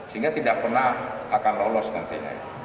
sehingga tidak pernah akan lolos nantinya